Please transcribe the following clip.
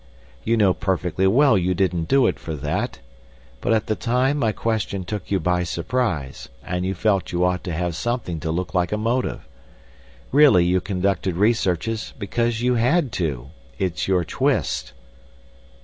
You know perfectly well you didn't do it for that; but at the time my question took you by surprise, and you felt you ought to have something to look like a motive. Really you conducted researches because you had to. It's your twist."